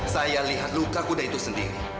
saya lihat luka kuda itu sendiri